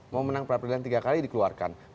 mau menang peradilan tiga kali dikeluarkan